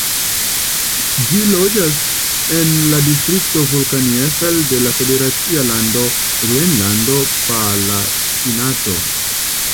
Ĝi troviĝas en la distrikto Vulkaneifel de la federacia lando Rejnlando-Palatinato.